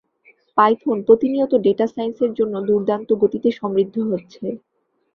Python প্রতিনিয়ত data সাইন্সের জন্য দুর্দান্ত গতিতে সমৃদ্ধ হচ্ছে।